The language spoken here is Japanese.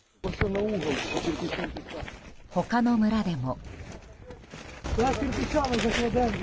他の村でも。